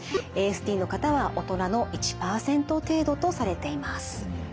ＡＳＤの方は大人の１％程度とされています。